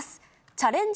チャレンジ